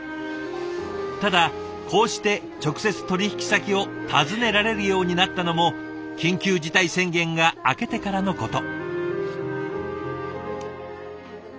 ただこうして直接取引先を訪ねられるようになったのも緊急事態宣言が明けてからのこと。